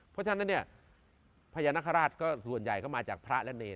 เพราะฉะนั้นพญานคราชส่วนใหญ่ก็มาจากพระและเนร